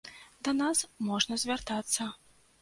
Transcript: Да нас можна звяртацца.